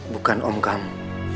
bukan om kamu